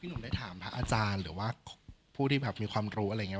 หนุ่มได้ถามพระอาจารย์หรือว่าผู้ที่แบบมีความรู้อะไรอย่างนี้